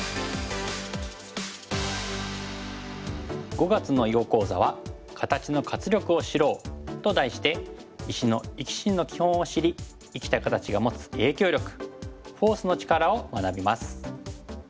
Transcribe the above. ５月の囲碁講座は「形の活力を知ろう」と題して石の生き死にの基本を知り生きた形が持つ影響力フォースの力を学びます。